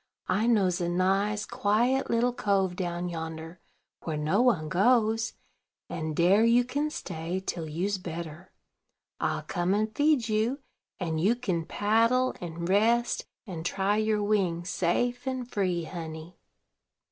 I knows a nice, quiet little cove down yonder, where no one goes; and dare you kin stay till you's better. I'll come and feed you, and you kin paddle, and rest, and try your wings, safe and free, honey."